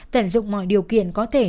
tận dụng mọi điều kiện có thể